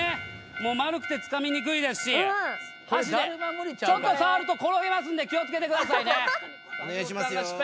もう丸くて掴みにくいですし箸でちょっと触ると転げますんで気をつけてくださいねお願いしますよ